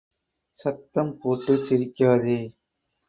சத்தம் போட்டு சிரிக்காதே!